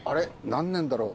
何年だろう。